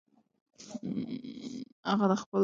هغه د خپلو اوږو د درد د کمولو لپاره لږ حرکت وکړ.